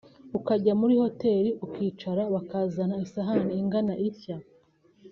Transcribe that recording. ukajya muri hoteli ukicara bakazana isahane ingana itya